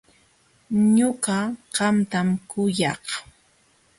Ñuqa qamtam kuyak.